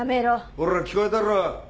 ほら聞こえたろ！